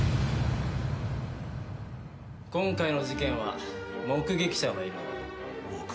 今回の事件は目撃者がいるんだ。